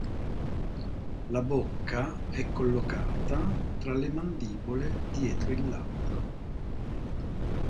La bocca è collocata tra le mandibole dietro il labbro.